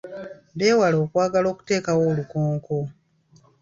Beewale okwagala okuteekawo olukonko.